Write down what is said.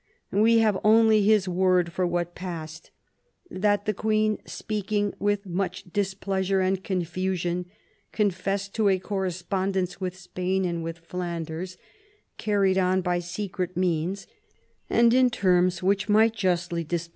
We have only his word for what passed : that the Queen, speaking " with much displeasure and confusion," confessed to a correspondence with Spain and with Flanders, carried on by secret means and in terms which might justly displease ANiNE OF AUSTRIA, CONSORT OF LOUIS XIII Fi